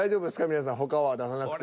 皆さん他は出さなくて。